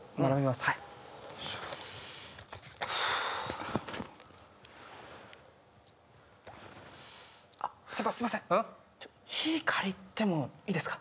すいません火借りてもいいですか？